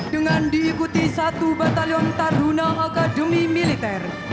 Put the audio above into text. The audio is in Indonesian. dengan diikuti satu batalion taruna akademi militer